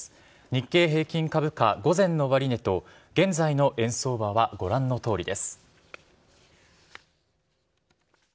日経平均株価、午前の終値と現在の円相場はご覧のとおりです。